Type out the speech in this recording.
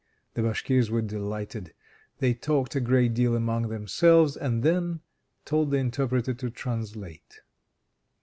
The Bashkirs were delighted. They talked a great deal among themselves, and then told the interpreter to translate.